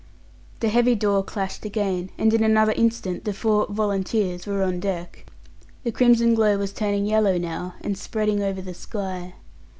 The heavy door clashed again, and in another instant the four "volunteers" were on deck. The crimson glow was turning yellow now, and spreading over the sky.